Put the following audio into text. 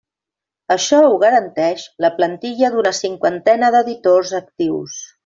Això ho garanteix la plantilla d'una cinquantena d'editors actius.